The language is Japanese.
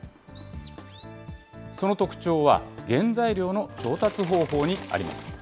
その特徴は、原材料の調達方法にあります。